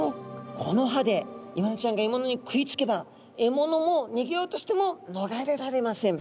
この歯でイワナちゃんがえものに食いつけばえものもにげようとしてものがれられません。